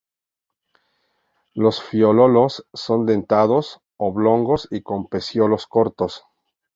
Los foliolos son dentados, oblongos y con peciolos cortos.